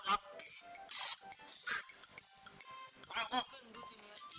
hari ini kakak pulang waktu malam kok